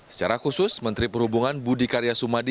secara khusus menteri perhubungan budi karya sumadi